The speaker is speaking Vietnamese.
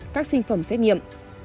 các sinh phẩm xét nghiệm